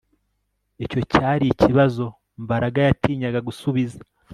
Icyo cyari ikibazo Mbaraga yatinyaga gusubiza